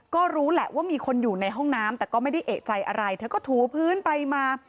ก็รู้แหละว่ามีคนอยู่ในห้องน้ำแต่ก็ไม่ได้เอกใจอะไรเธอก็ถูพื้นไปมา